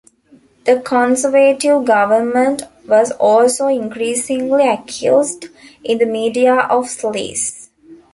The Conservative government was also increasingly accused in the media of "sleaze".